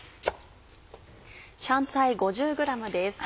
香菜５０ｇです。